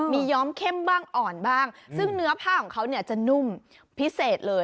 มีย้อมเข้มบ้างอ่อนบ้างซึ่งเนื้อผ้าของเขาเนี่ยจะนุ่มพิเศษเลย